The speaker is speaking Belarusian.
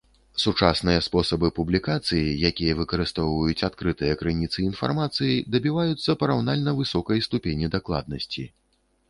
Сучасныя спосабы публікацыі, якія выкарыстоўваюць адкрытыя крыніцы інфармацыі, дабіваюцца параўнальна высокай ступені дакладнасці.